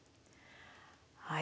はい。